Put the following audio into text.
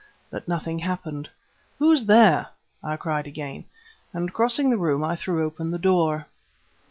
But nothing happened. "Who's there?" I cried again, and, crossing the room, I threw open the door.